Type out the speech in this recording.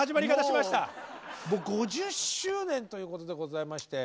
５０周年ということでございまして。